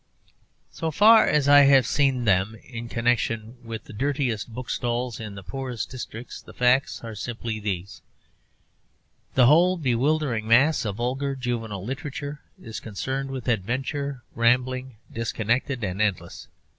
So far as I have seen them, in connection with the dirtiest book stalls in the poorest districts, the facts are simply these: The whole bewildering mass of vulgar juvenile literature is concerned with adventures, rambling, disconnected and endless.